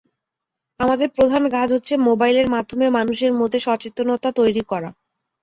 আমাদের প্রধান কাজ হচ্ছে মোবাইলের মাধ্যমে মানুষের মধ্যে সচেতনতা তৈরি করা।